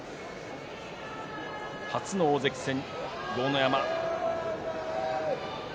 初の大関戦、豪ノ山。